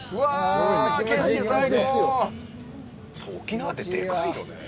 沖縄ってでかいよね。